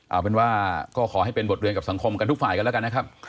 เอาเป็นว่าก็ขอให้เป็นบทเรียนกับสังคมกันทุกฝ่ายกันแล้วกันนะครับ